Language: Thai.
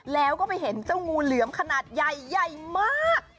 แล้วก็ไปเห็นเจ้างูเหลือมขนาดใหญ่ใหญ่มาก